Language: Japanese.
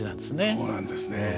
そうなんですね。